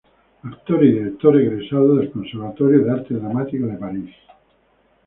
Actor y director egresado del conservatorio de arte dramático de París.